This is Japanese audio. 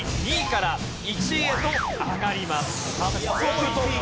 ２位から１位へと上がります。